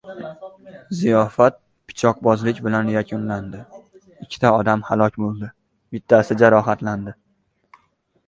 Ziyofat pichoqbozlik bilan yakunlandi